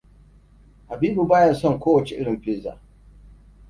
Habibu baya son ko wani irin pizza.